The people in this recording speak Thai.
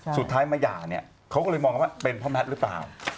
สุดท้ายมาหย่าเนี่ยเขาก็เลยมองกันว่าเป็นเพราะแมทหรือเปล่า